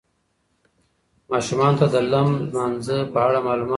ماشومانو ته د لم لمانځه په اړه معلومات ورکړئ.